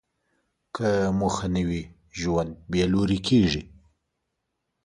که موخه نه وي، ژوند بېلوري کېږي.